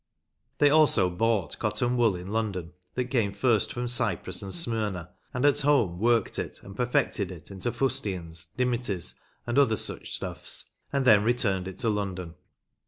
They also bought cotton wool in London that came first from Cyprus and Smyrna, and at home worked it and perfected it into fustians, dimities, and other such stuffs, and then returned it to London.